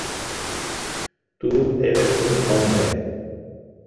tú eres un hombre.